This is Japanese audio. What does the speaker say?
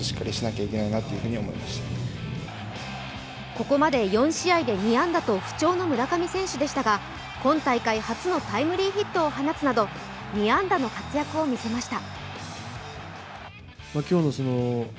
ここまで４試合で２安打と不調の村上選手でしたが今大会初のタイムリーヒットを放つなど２安打の活躍を見せました。